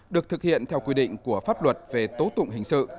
được thực hiện theo quy định của pháp luật về tố tụng hình sự